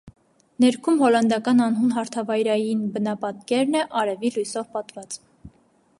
Ներքում հոլանդական անհուն հարթավայրային բնապատկերն է՝ արևի լույսով պատված։